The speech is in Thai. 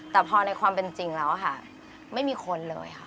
แต่พอในความเป็นจริงแล้วค่ะไม่มีคนเลยค่ะ